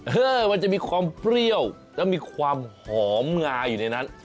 มันจะมีความเปรี้ยวแล้วมีความหอมงาอยู่ในนั้น